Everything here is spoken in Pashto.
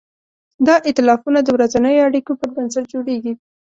دا ایتلافونه د ورځنیو اړیکو پر بنسټ جوړېږي.